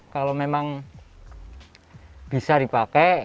kalau memang bisa dipakai